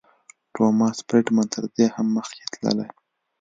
ټوماس فریډمن تر دې هم مخکې تللی.